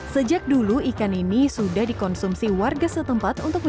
sejak dulu ikan ini dikumpulkan di kawasan kolam segaran dan sungai sekitar kawasan tersebut